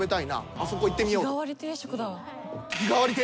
あそこ行ってみよう。